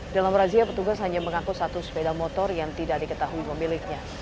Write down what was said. dalam razia petugas hanya mengaku satu sepeda motor yang tidak diketahui pemiliknya